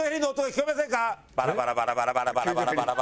バラバラバラバラバラバラバラバラ。